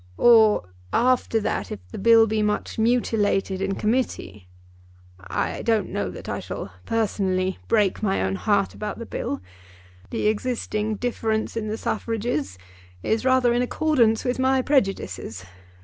"Or, after that, if the Bill be much mutilated in Committee? I don't know that I shall personally break my own heart about the Bill. The existing difference in the suffrages is rather in accordance with my prejudices.